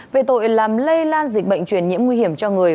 về tội làm lây lan dịch bệnh truyền nhiễm nguy hiểm cho người